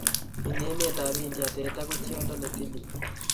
Eng emetab India, teta ko tyondo netilil